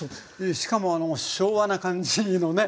しかも昭和な感じのね。